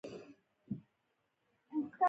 خړه دره له شوره تشه او خاموشه شوه.